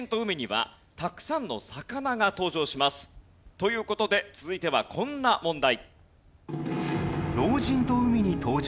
という事で続いてはこんな問題。